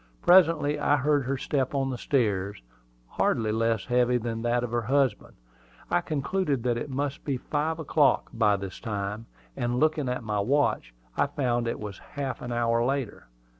Presently I heard her step on the stairs, hardly less heavy than that of her husband. I concluded that it must be five o'clock by this time; and looking at my watch, I found it was half an hour later.